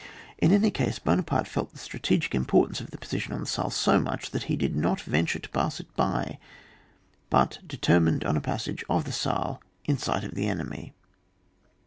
In any case, Buonaparte felt the stra tegic importance of the position on the Baale so much, that he did not venture to pass it by, but determined on a pas* sage of the Saale in sight of the enemy.